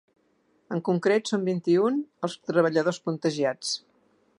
En concret, són vint-i-un els treballadors contagiats.